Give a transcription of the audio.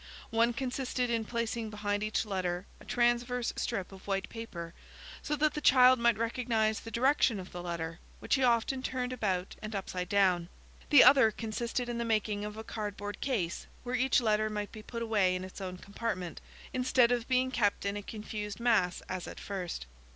One consisted in placing behind each letter, a transverse strip of white paper, so that the child might recognise the direction of the letter, which he often turned about and upside down. The other consisted in the making of a cardboard case where each letter might be put away in its own compartment, instead of being kept in a confused mass as at first.